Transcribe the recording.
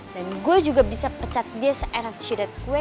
dan gue juga bisa pecat dia seenak cedet gue